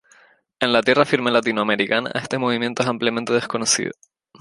En la tierra firme latinoamericana, este movimiento es ampliamente desconocido.